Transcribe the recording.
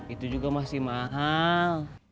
itu juga masih mahal